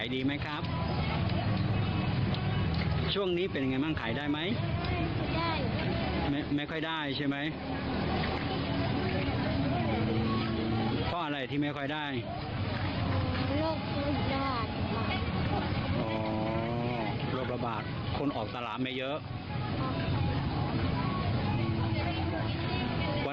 อ๋อลบละบาทคนออกสลามไม่เยอะ